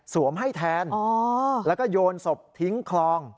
มให้แทนแล้วก็โยนศพทิ้งคลอง